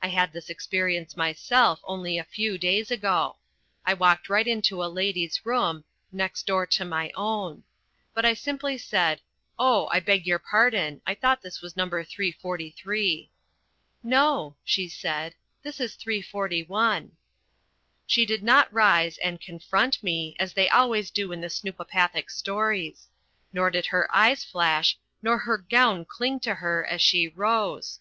I had this experience myself only a few days ago. I walked right into a lady's room next door to my own. But I simply said, "Oh, I beg your pardon, I thought this was No. 343." "No," she said, "this is 341." She did not rise and "confront" me, as they always do in the snoopopathic stories. Neither did her eyes flash, nor her gown cling to her as she rose.